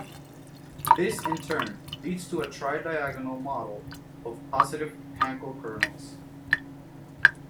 This in turn leads to a "tridiagonal model" of positive Hankel kernels.